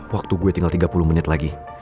waktu gue tinggal tiga puluh menit lagi